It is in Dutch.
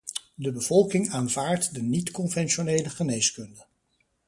De bevolking aanvaardt de niet-conventionele geneeskunde.